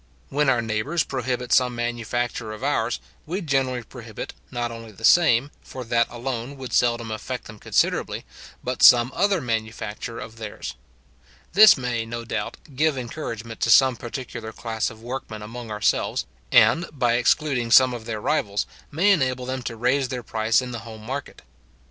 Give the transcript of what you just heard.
When our neighbours prohibit some manufacture of ours, we generally prohibit, not only the same, for that alone would seldom affect them considerably, but some other manufacture of theirs. This may, no doubt, give encouragement to some particular class of workmen among ourselves, and, by excluding some of their rivals, may enable them to raise their price in the home market.